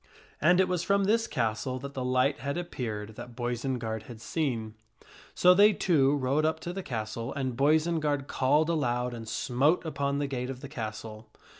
And it was from this castle that the light had appeared that Boisenard had seen. So they two rode up to the castle and Boisenard called aloud and smote upon the gate of the castle.